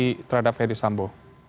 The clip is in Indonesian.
hukuman mati terhadap ferdis sambo